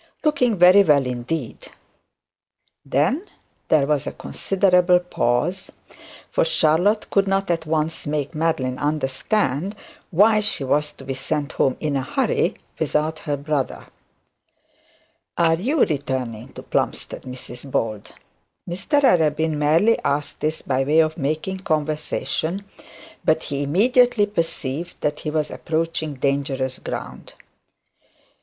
Looking very well indeed.' Then there was a considerable pause: for Charlotte could not at once make Madeline understand why she was to be sent home in a hurry without her brother. 'Are you returning to Plumstead, Mrs Bold?' Mr Arabin merely asked this by way of making conversation, but he immediately perceived that he was approaching dangerous ground.